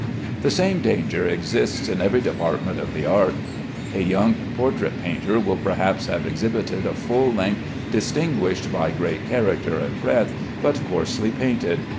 The same danger exists in every department of the art. A young portrait painter will perhaps have exhibited a full length, distinguished by great character and breadth, but coarsely painted.